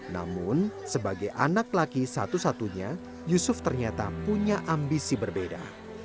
namun sebagai anak laki satu satunya yusuf ternyata punya ambisi berbeda